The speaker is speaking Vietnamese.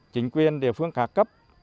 chính quyền địa phương ca cấp